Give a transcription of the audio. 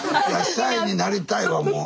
シャイになりたいわもう。